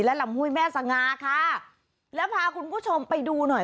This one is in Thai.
ลำห้วยแม่สงาค่ะแล้วพาคุณผู้ชมไปดูหน่อย